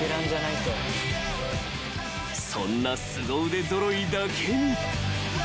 ［そんなすご腕揃いだけに］